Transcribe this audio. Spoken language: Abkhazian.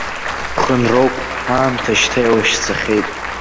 Ԥхынроуп, аамҭа шьҭа илашьцахьеит.